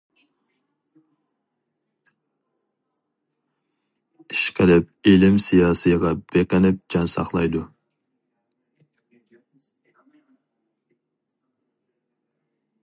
ئىشقىلىپ ئىلىم سىياسىيغا بېقىنىپ جان ساقلايدۇ.